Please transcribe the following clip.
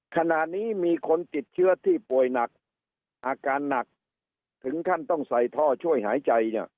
ขณะนี้มีคนติดเชื้อที่ป่วยหนักอาการหนักถึงขั้นต้องใส่ท่อช่วยหายใจเนี่ย